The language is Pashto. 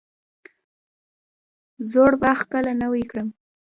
زوړ باغ کله نوی کړم؟